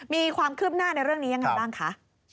มีความคืบหน้าในเรื่องนี้ยังไงบ้างคะ